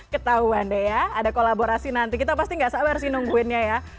ketahuan deh ya ada kolaborasi nanti kita pasti gak sabar sih nungguinnya ya